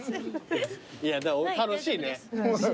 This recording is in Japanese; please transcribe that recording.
いや楽しいねうん。